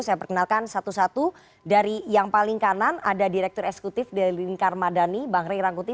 saya perkenalkan satu satu dari yang paling kanan ada direktur eksekutif dari lingkar madani bang rey rangkuti